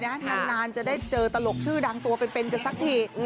นานจะได้เจอตลกชื่อดังตัวเป็นกันสักที